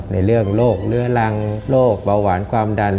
ในเรื่องโรคเรื้อรังโรคเบาหวานความดัน